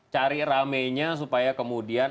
cari rame nya supaya kemudian